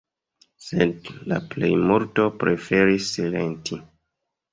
Sed la plejmulto preferis silenti.